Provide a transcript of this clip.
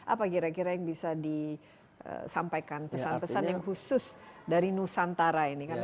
apa kira kira yang bisa disampaikan pesan pesan yang khusus dari nusantara ini